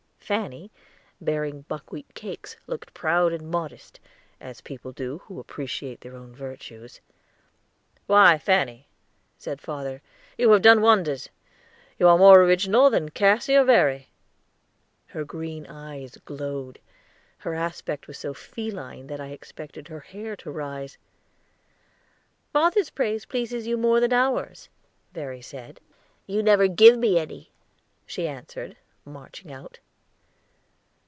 Fanny, bearing buckwheat cakes, looked proud and modest, as people do who appreciate their own virtues. "Why, Fanny," said the father, "you have done wonders; you are more original than Cassy or Verry." Her green eyes glowed; her aspect was so feline that I expected her hair to rise. "Father's praise pleases you more than ours," Verry said. "You never gave me any," she answered, marching out.